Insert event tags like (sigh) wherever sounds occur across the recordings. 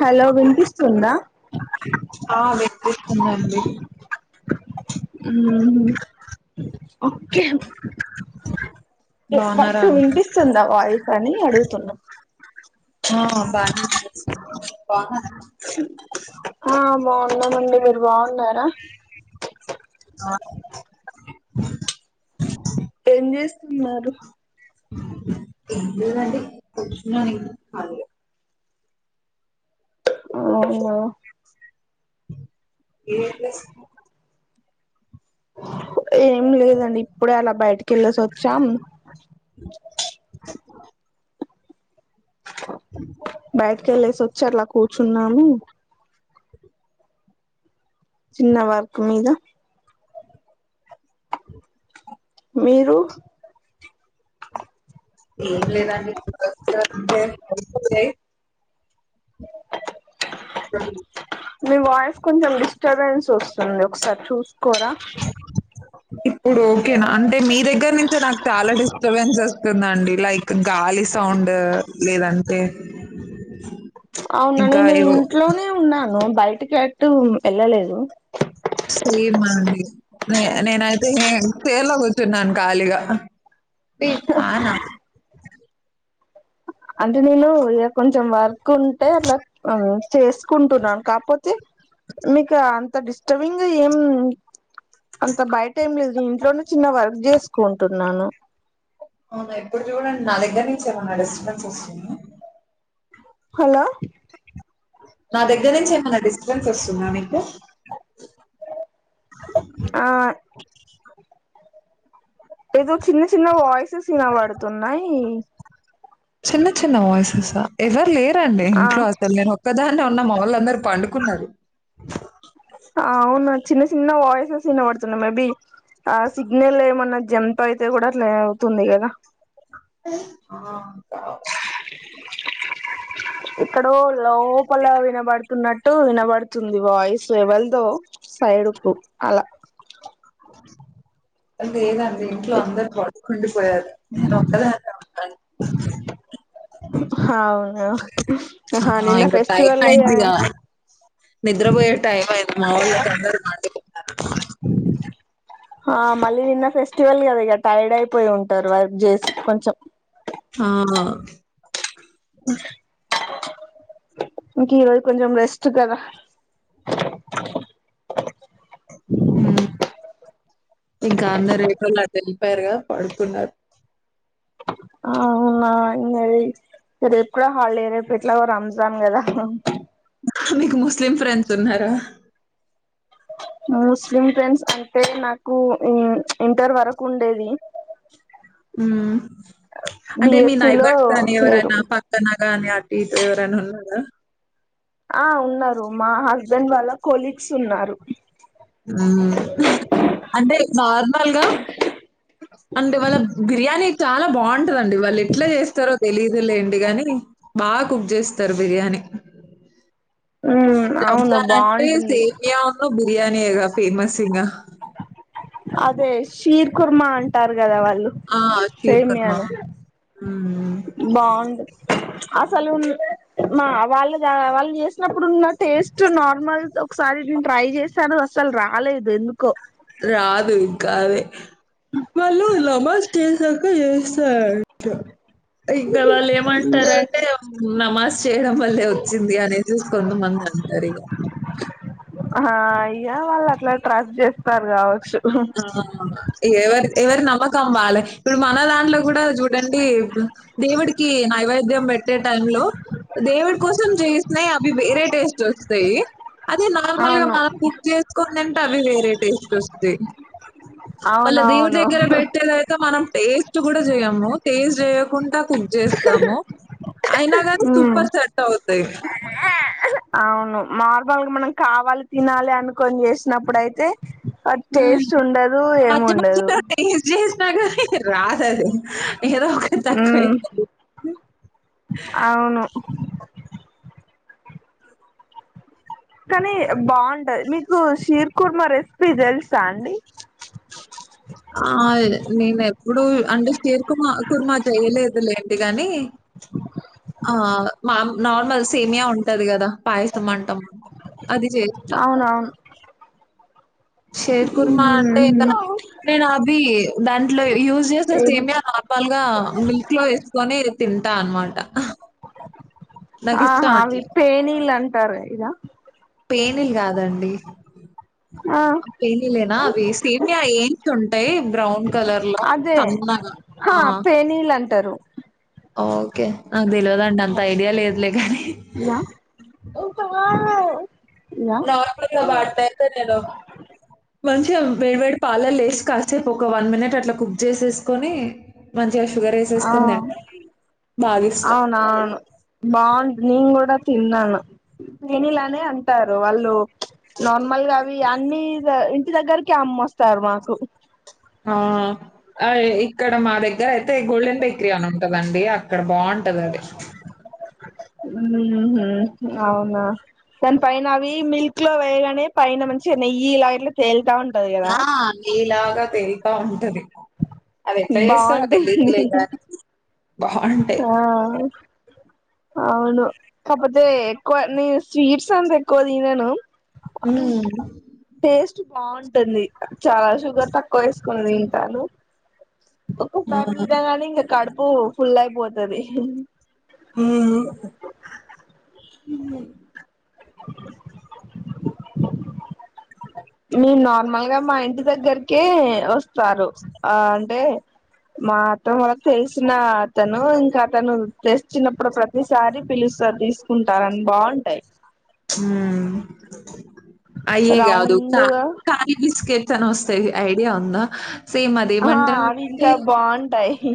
Hello వినిపిస్తుందా (inaudible) ఆ తెస్తుందండి హ్మ్ హు ఒక్కే బాగున్నారా వట్ అండి వినిపిస్తుందా వాయిస్ అని అడుగుతున్న ఆ బానే వినిపిస్తుం (unintelligible) ఆ బావున్నామండి మీరు బావున్నారా హ ఏం జేస్తున్నారు ఏం లేదు అండి కూర్చున్నా నేను కాళియే ఔనా ఏం (unintelligible) (inaudible) ఏం లేదండి ఇప్పుడే అల బయటకి ఏళ్లేసి ఓచ్చాం బయటికి ఏల్లేసి ఓచ్చి అట్ల కూర్చున్నాను. చిన్న వర్క్ మీద మీరు ఏం లేదాండి (inaudible) మ్మ్ మీ వాయిస్ కొంచం డిస్టర్బెన్స్ వస్తుంది. ఒకసారి చూసుకోరా ఇప్పుడోకేన్ అంటే మీ దగ్గర్నుంచే నాకు చాలా డిస్టర్బెన్స్ వస్తుందండి. లైక్ గాలి సౌండ్ లేదంటే అవునా ఇంకా నేను ఏవో ఇంట్లోనే ఉన్నాను బయటికి ఎట్టు ఎళ్ళలేదు. సేమాండి నే నేనైతే హే ఫెయిర్ లో కూర్చున్నాను ఖాళీగా. టీ ఫ్యానా అంటే నేను ఇగ కొంచెం వార్ కుంటే అట్లా కు అ చేసుకుంటున్నాన్ కాకపోతే మీకాన్ అంత డిస్టర్బింగ ఏం అంత బయట ఏం లేదు నేన్ ఇంట్లోనే చిన్న వర్క్ చే స్కుంటున్నాను. అవునా ఇప్పుడు చూడండి నా దగ్గర్ నుంచి ఎమ్మన డిస్టర్బెన్స్ వస్తుంద. హాలో నా దగ్గర్ నుంచి ఏమైనా డిస్టబెన్స్ వస్తుందా మీకు? ఆ ఏదో చిన్న చిన్న వాయిస్సెస్ ఇనవడ్తున్నాయి. చిన్న చిన్న వాయిసెస్సా ఎవర్లేరండి ఆ ఇంట్లో అసలు నేను ఒక్కదాన్నే ఉన్న మావోల్లందరూ పండుకున్నారు. అవున చిన్న చిన్న వయస్సెస్ వినవడ్తున్నాయి. మేబి ఆ సిగ్నల్ ఎమ్మన జంప్ అయితే గుడా అట్లే అవుతుంది కదా. ఆ కావచ్ ఎక్కడో లోపల వినబడుతున్నట్టు వినబడుతుంది వాయిస్. ఇవల్దో సైడుకు అలా లేదండి ఇంట్లో అందరూ పడుకుండి పోయారు. నెన్నొక్కదన్నా అన్ హవున ఆ ఇంగ టైమ్ అయిందిగా. నిద్ర పోయే టైమ్ అయింది మా వోలకి అర్ధం కాదు. ఆ మళ్ళీ నిన్న ఫెస్టివల్ గదా ఇగ టైర్డ్ అయిపోయింటారు వర్క్ చేసి కొంచం. ఆ ఇంక ఈరోజు కొంచెం రెస్ట్ కదా హ్మ్. ఇంకా అందరూ ఎటోలట్టు ఎల్లీపోయారుగా పడుకున్నారు. అవునా ఇంగది రేప్ కూడ హాలిడే రేపు ఎట్లాగో రంజాన్ కదా మీకు ముస్లిం ఫ్రెండ్స్ ఉన్నారా? ముస్లిం ఫ్రెండ్స్ అంటే నాకు ఊ ఇంటర్ వరకు ఉండేది. ఉమ్ అంటే మీ బిఎస్సి లో నైబర్స్ గాని, లేరు ఎవరైనా పక్కన గాని అటుఇటు ఎవరైనా ఉన్నారా? ఆ ఉన్నారు మా హస్బెండ్ వాళ్ళ కొలీగ్స్ ఉన్నారు. ఉమ్ అంటే నార్మల్గా అంటే వాళ్ళ బిర్యానీ చాలా బావుంటదండి. వాళ్ళు ఎట్లా జేస్తారో తెలిదులేండి గాని బాగ్ కుక్ చేస్తారు బిర్యానీ. ఉమ్ అవును రంజాన్ అంటే బాగుంటుంది సేమ్యాను బిర్యానీయేగా ఫేమస్ ఇంగ. అదే షీర్ కుర్మ అంటారు గదా వాళ్ళు ఆ! షీర్ కుర్మా. సేమ్యాని. హ్మ్. బావుంది అసలు మ్ మా వాళ్ళ గా వాళ్ళు చేసినప్పుడు ఉన్నట్టు. టేస్ట్ నార్మల్గా ఒకసారి నేను ట్రై చేశాను అసలు రాలేదు ఎందుకో. రాదు ఇంకాది వాళ్ళు నమాజ్ చేసాక చేస్తారూ అంట ఇంకా వాళ్ళు ఏమంటారంటే. నమాజ్ చేయడం వల్లే ఒచ్చింది అనేసేసి కొంతమంది అంటారు ఇగ. ఆహ్ ఈగా వాళ్ళు అట్లా ట్రస్ట్ చేస్తారు కావచ్చు. ఆహ్ ఎవర్ ఎవరు నమకమ్ వాళ్ళకి. ఇప్పుడు మన దాంట్లో కూడా చూడండి ఇపుడ్ దేవుడికి నైవేద్. ద్యం పెట్టే టైమ్ లో దేవుడి కోసం జేసినై అవి వేరే టేస్ట్ ఓస్తయి. అదే నార్మల్ గా అవును మనం కుక్ చేసుకునీ తింటే అవి వేరే టేస్ట్ ఓస్తయి. మళ్ళ దేవుడు అవునవును దగ్గర పెట్టేదైతే మనం టేస్ట్ కూడా చేయము టేస్ట్ చేయకుండ. కుక్ చేస్తాము అయినా కానీ ఉమ్ సూపర్ సెట్ అవుతాయి. అవును నార్మల్గా మనం కావాలి తినాలే అనుకోని చేసినప్పుడు అయితే. ఆహ్ హ్మ్. టేస్ట్ ఉండదు ఏం ఉండదు. రాద్ అది. ఏదొ ఒకటి ఉమ్ తక్కువైతాది. అవును కానీ బాగుంటది మీకు షీర్ కుర్మ రెసిపీ తెల్సా అండి. ఆహ్ నేను ఎప్పుడు అంటే షేర్ కుర్మ కుర్మా చేయలేదు లేండి గాని. ఆహ్ మా నార్మల్ సేమియా ఉంటది కదా పాయసం అంటాము. అది చేస్తా. అవునవును షేర్ కుర్మ అంటే దాని. నేను అవి దాంట్లో యూస్ చేసే సేమ్యా నార్మల్ గా మిల్క్ లో వేసుకొని. తింటా అన్నమాట ఆహ్. ఆహా ఆవి పేనిల్ అంటారు కదా. పేనిల్ కాదండి. ఆహ్. పెనిలేనా అవి సేమ్యా ఏంచి ఉంటాయి బ్రౌన్ కలర్ లో సన్నగా ఆహ్. ఆహ్ పేనిల్ అంట్. ఓకే నాకు తెల్వదండి అంత ఐడియా లేదులే గాని. ఇదా. ఇదా నార్మల్ గా వాడుతారు (unintelligible) మంచిగా వేడి వేడి పాలలేసి. ఎస్ కాసేప్ ఒక వన్ మినేట్ అట్లా కుక్ చేసేసుకొని. షుగర్ ఏసేసుకొని ఆహ్ తింటే బాగిష్టం. అవునా బాగున్. నేను కూడా తిన్నాను పెనిలానే అంటారు వాళ్ళు ప్ఛ్ నార్మల్ గావి. ఇగ అన్ని ఇగ ఇంటి దగ్గరికి అమ్మొస్తారు మాకు. ఆహ్ అ ఇక్కడ మా దగ్గర అయితే గోల్డెన్ బేకరీ అని అమ్ముతారు. దండి అక్కడ బాగుంటది అది. ఉహు అవునా. దాని పైన అవి మిల్క్ లో వేయగానే పైన మంచిగా నెయ్యి అవి ఇలాగట్లా తేలుతా ఉంన్. నా నేయిలాగా తెల్త ఉంటది. అవి ఎట్లా చేస్తారో తెలిట్లేదు కానీ. ఆహ్. అవును కాకపోతే ఎక్కువ నేను స్వీట్స్ అంతా ఎక్కువ తినను. ఉమ్. టేస్ట్ బాగుంటుంది చాలా షుగర్ తక్కువ ఏసుకొని తింటాను. ఆ! ఒక్కసారి తినగానే ఇంగ కడుపు ఫుల్ అయిపోతది నిన్ను మీం నార్మల్ గా మా ఇంటి దగ్గరకే ఓస్తారు ఆ అంటే మా అత్తమ్మ వాళ్ళకి తెలిసిన అతను ఇంకా అతను తెస్చిన్నప్పుడు ప్రతిసారి పిలుస్తాది తీసుకుంటార అని బాగుంటాయి. ఉమ్ అయ్యే గాదు త రౌండ్గా కాలి బిస్కెట్. తనోస్తేయ్ ఐడియా ఉందా సేమ్ అది ఆ ఏమంటర్ అవి ఇంకా అండి. బాగుంటాయి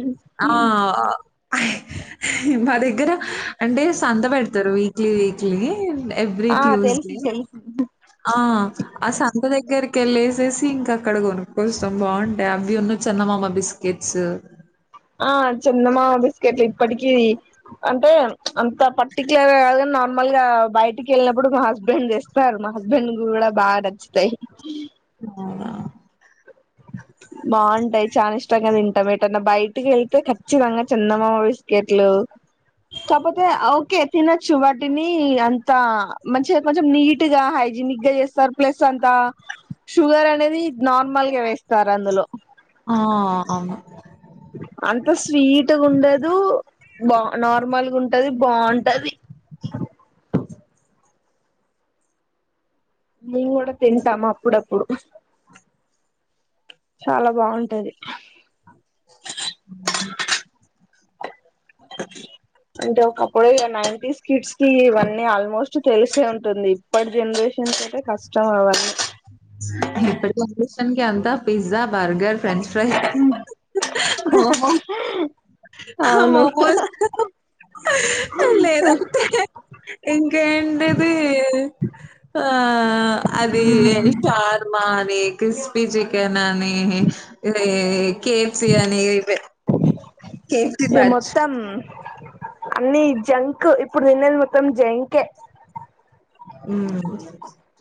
ఆహ్. ఆహ్ మా దగ్గర అంటే సంత పెడతారు వీక్లీ వీక్లీ. ఎవ్రీ ఆ తెలుసు ట్యూస్డే తెలుసు ఆ ఆ సంత దగ్గరకి క్కెళ్ళేసేసి ఇంకా అక్కడ గొనుక్కస్తాం బాగుంటాయి అవి ఉన్ను చందమామ బిస్కెట్స్ ఆ చందమామ బిస్కెట్లు ఇప్పటికి అంటే అంత పర్టిక్యులర్ కాదుకన్ నా నార్మల్ గా బయటికి వెళ్ళినప్పుడుకు మా హస్బెండ్ తేస్తారు మా హస్బెండ్ కూడా బాగా నచ్చుతాయి అవునా బాగుంటాయి చానా ఇష్టాంగా తిన్ టం ఎటన్న బయటకి వెళ్తే ఖచ్చితంగా చందమామ బిస్కెట్లు కాపోతే ఓకే తినొచ్చు వాటిని అంతా మంచిగా కొంచెం నీట్ గా హై జిన్నాగ్గా చేస్తారు ప్లస్ అంత షుగర్ అనేది నార్మల్గా వేస్తారు అందులో ఆ అవ్ను అంత స్వీట్గా ఉండదు బా నార్మల్గా ఉంటది బాఉంటది మేము కూడా తింటం అప్పుడప్పుడు చాలా బాగుంటది అంటే ఒకప్పుడే ఇగ నైంటీస్ కిట్స్ కి ఇవన్నీ ఆల్మో స్ట్ తెలెసే ఉంటుంది ఇప్పడీ జనరేషన్స్ అయితే కష్ ఇప్పటి జెనరేషన్ అంత pizza burger French fries momo హా అవును మొమోస్ లేనంతే ఇంకేంటిది ఆ అది ది శార్మ అని క్రిస్పీ చికెన్ అని లే కే ఫ్ సి అని ఇగ ఇవ్వే కే ఫ్ సి బ్యాచ్ అన్నీ జంక్ ఇప్పుడు తిన్నది మొత్తం జంకే ఉమ్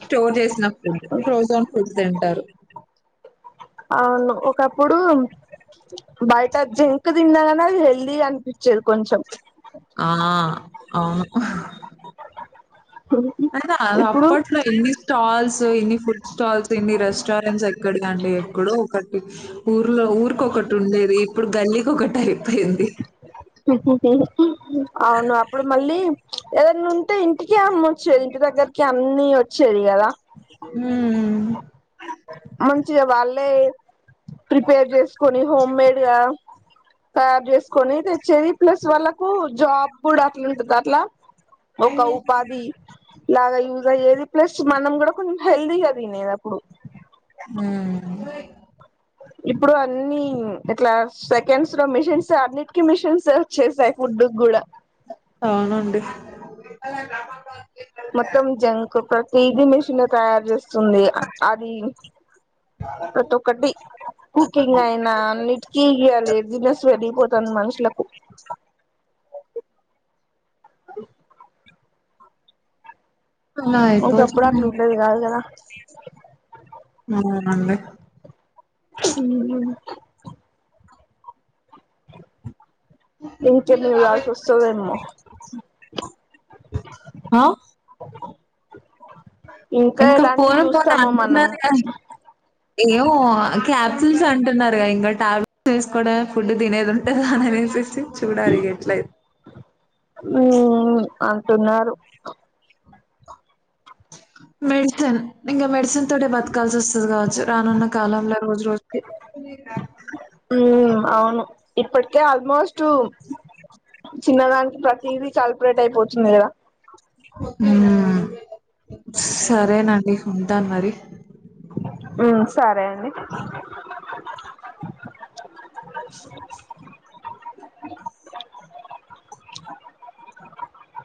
స్టోర్ చేసిన ఫుడ్ ఫ్రోజన్ ఫుడ్ తింటారు అవును ఒకప్పుడు బయట జంక్ తిన్నాగానె అ ది హెల్దీగా అనిపిచ్చేది కొంచెం ఆ అవును ఉహ్ అయినాదా ఇప్పుడు అప్పట్లో ఎన్ని స్టాల్స్ ఇన్ని ఫుడ్ స్టాల్స్ ఇన్ని రెస్టారెంట్స్ ఎక్కడివండి ఎక్కడో ఒకటి ఊర్లో ఊరికొకటి ఉండేది ఇప్పుడు గల్లీకోకటి అయిపోయింది అవును అప్పుడు మళ్ళీ ఏదైనా ఉంటే ఇంటికి అమ్మొచ్చేది ఇంటి దగ్గరికి అన్ని వచ్చేది కదా ఉమ్ మంచిగా వాళ్ళే ప్రిపేర్ చేసుకొని హోమ్మేడ్ గా తయారు చేసుకొని తెచ్చేది ప్లెస్ వాళ్ళకు జాబ్ పుడా అట్లావుంటుంద అట్ల ఒక ఉపాధి లాగా యూజ్ అయ్యేది ప్లస్ మనం కూడా కొం హెల్దీగ నిదప్పుడు ఉమ్ ఇప్పుడు అన్ని క్లాస్ సెకండ్స్ లో మిషన్స్ అన్నిటికీ మిషన్స్ వచ్చేసాయి ఫుడ్డు కూడా అవునండి. మొత్తం జంక్ ప్రతిది మెషినే తయారు చేస్తుంది అది ప్రతోక్కటి కుకింగ్ అయినా అన్నిటికీ ఇగ లేజినెస్ పెరిగిపోతాంది మనుషులకు అలా ఒకప్పుడు అయిపోచది అట్లా ఉండేది కాదు కదా అవునండి ఉహ ఇంకేం చూడాల్సి వస్తుందేమో ఆ ఇంకా ఎలాంటివి పోన్ పోన్ అని చూస్తామో మనం అంటున్నరు కాని ఏమో క్యాప్సిల్స్ అంటున్నారుగా ఇంగా టాబ్లెట్స్ వేసుకోవడమే ఫుడ్ తినేది ఉంట అనిది వచ్చేసి చూడాలిగా ఎట్లా అయి తిన్నారు మెడిసన్ ఇంగ మెడిసన్ తో బత్కాల్సొస్ కావచ్చు రానున్న కాలం లా రోజు రోజుకి అవును ఇప్పు అయితే ఆల్మోస్ట్ చిన్నదానికి ప్రతిది సెలెబ్రేట్ అయిపోతుంది కదా ఉమ్ సరేనండి ఉంటాను మరి ఉమ్ సరే అండి